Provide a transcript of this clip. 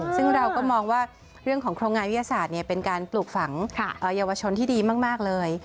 ซึ่งเราก็มองว่าเรื่องของโครงงานวิทยาศาสตร์เป็นการปลูกฝังเยาวชนที่ดีมากเลย